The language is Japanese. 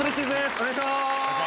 お願いします。